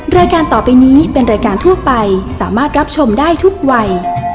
รายการต่อไปนี้เป็นรายการทั่วไปสามารถรับชมได้ทุกวัย